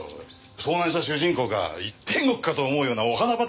遭難した主人公が天国かと思うようなお花畑だよ。